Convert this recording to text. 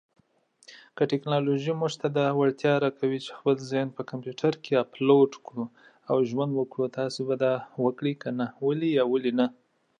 که ټکنالوژي موږ ته دا وړتيا راکوي چي خپل ذهن په کمپيوټر کي اپلوډ کړو او ژوند وکړو تاسي به دا وکړئ که نه ولي يا ولي نه